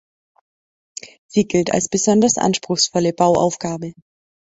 Sie gilt als besonders anspruchsvolle Bauaufgabe.